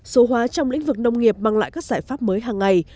số hóa trong lĩnh vực nông nghiệp bằng lại các giải pháp mới hàng ngày